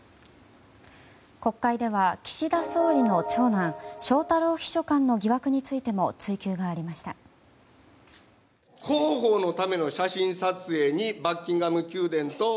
国会では岸田総理の長男翔太郎秘書官の疑惑についても追及がありました。